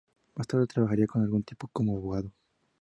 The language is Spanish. Más tarde trabajaría algún tiempo como abogado.